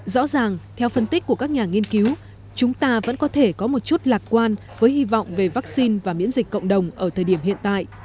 rõ ràng theo phân tích của các nhà nghiên cứu chúng ta vẫn có thể có một chút lạc quan với hy vọng về vaccine và miễn dịch cộng đồng ở thời điểm hiện tại